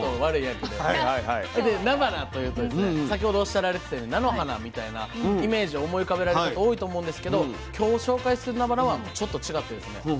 でなばなというとですね先ほどおっしゃられてたように菜の花みたいなイメージを思い浮かべられる方多いと思うんですけど今日紹介するなばなはちょっと違ってですね